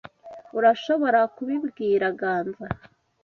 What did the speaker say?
Urashobora kubibwira Ganza.